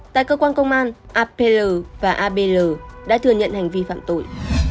tại cơ quan công an a p l và a p l đã thừa nhận hành vi phạm tội